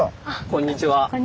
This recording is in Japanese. こんにちは。